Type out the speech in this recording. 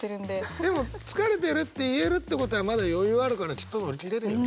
でも「つかれてる」って言えるってことはまだ余裕あるからきっと乗り切れるよね。